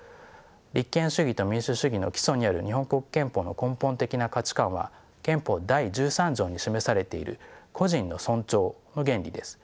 立憲主義と民主主義の基礎にある日本国憲法の根本的な価値観は憲法第十三条に示されている個人の尊重の原理です。